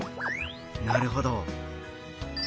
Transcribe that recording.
なるほど。